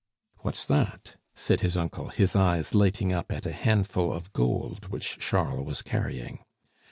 "What's that?" said his uncle, his eyes lighting up at a handful of gold which Charles was carrying.